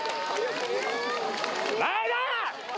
前田。